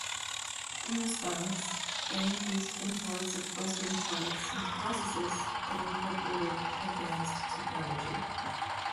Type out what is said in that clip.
In response, they increased imports of Western products and processes that incorporated advanced technology.